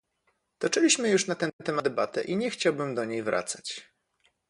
Toczyliśmy już na ten temat debatę i nie chciałbym do niej wracać